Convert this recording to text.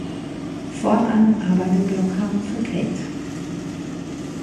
Fortan arbeitet Lockhart für Kate.